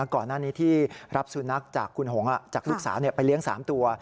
ก่อนหน้านี้ที่รับสุนัขจากคุณหงจากลูกสาวไปเลี้ยง๓ตัว